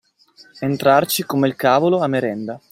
Entrarci come il cavolo a merenda.